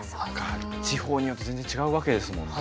地方によって全然違うわけですもんね。